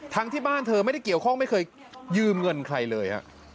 ที่บ้านเธอไม่ได้เกี่ยวข้องไม่เคยยืมเงินใครเลย